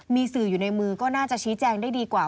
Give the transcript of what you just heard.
มีสื่ออยู่ในมือก็น่าจะชี้แจงได้ดีกว่า